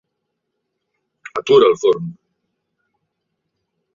Atura el forn.